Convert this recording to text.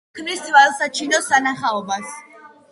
ქმნის თვალსაჩინო სანახაობას.